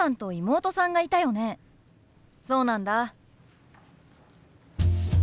そうなんだ。